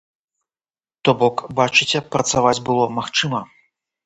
То бок, бачыце, працаваць было магчыма.